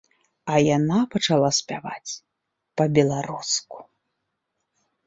А яна пачала спяваць па-беларуску.